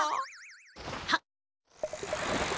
はっ。